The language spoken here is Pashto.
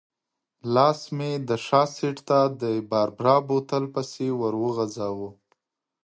لاس مې د شا سېټ ته د باربرا بوتل پسې ورو غځاوه.